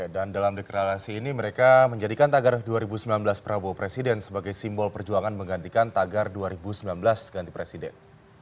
dan dalam deklarasi ini mereka menjadikan tagar dua ribu sembilan belas prabowo presiden sebagai simbol perjuangan menggantikan tagar dua ribu sembilan belas ganti presiden